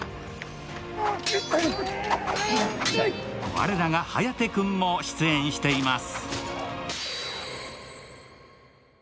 我らが颯君も出演しています。